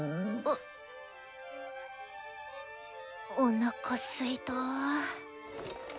おなかすいた。